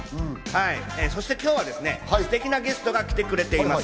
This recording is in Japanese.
そして今日はですね、すてきなゲストが来てくれています。